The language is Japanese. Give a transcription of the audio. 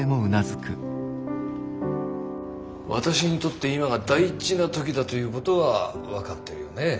私にとって今が大事な時だということは分かってるよね？